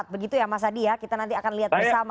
begitu ya mas adi ya kita nanti akan lihat bersama